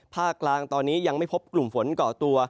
กลางตอนนี้ยังไม่พบกลุ่มฝนก่อตัว